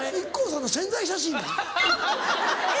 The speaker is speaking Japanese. ＩＫＫＯさんの宣材写真だ。